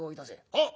「はっ」。